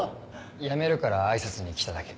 やめるから挨拶に来ただけ。